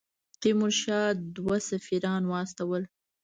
تیمورشاه دوه سفیران واستول.